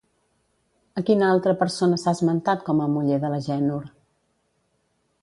A quina altra persona s'ha esmentat com a muller de l'Agènor?